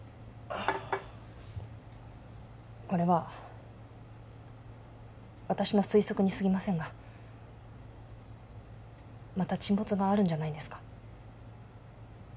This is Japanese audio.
これは私の推測にすぎませんがまた沈没があるんじゃないですか？